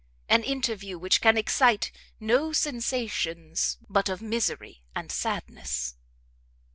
an interview which can excite no sensations but of misery and sadness?"